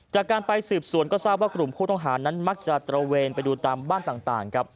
จากการไปสืบสวนก็ทราบว่ากลุ่มผู้ต้องหานั้นมักจะตระเวนไปดูตามบ้านต่างครับ